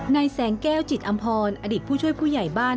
นายแสงแก้วจิตอำพรอดีตผู้ช่วยผู้ใหญ่บ้าน